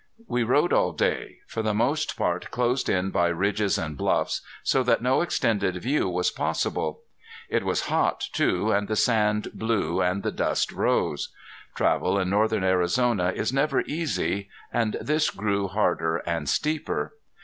We rode all day, for the most part closed in by ridges and bluffs, so that no extended view was possible. It was hot, too, and the sand blew and the dust rose. Travel in northern Arizona is never easy, and this grew harder and steeper.